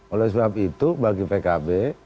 oleh sebab itu bagi pkb